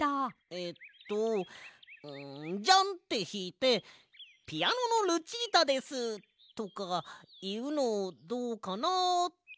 えっとんジャンってひいて「ピアノのルチータです！」とかいうのどうかなって。